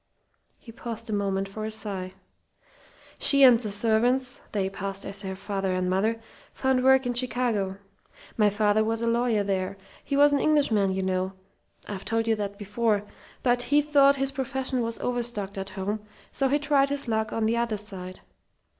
He paused a moment for a sigh. "She and the servants they passed as her father and mother found work in Chicago. My father was a lawyer there. He was an Englishman, you know I've told you that before but he thought his profession was overstocked at home, so he tried his luck on the other side.